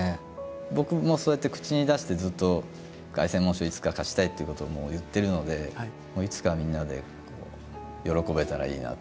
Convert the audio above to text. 僕もそうやって口に出してずっと凱旋門賞いつか勝ちたいっていうことも言ってるのでいつかみんなで喜べたらいいなって。